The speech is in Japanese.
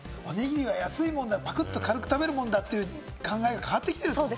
おにぎりは安いもんだ、軽くパクっと食べるもんだという考えが変わってきてるってことね。